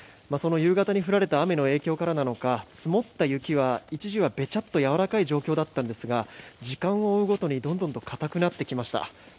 その夕方に降られた雨の影響からなのか積もった雪は一時はべちゃっとやわらかい状況だったんですが時間を追うごとにどんどんと固くなってきました。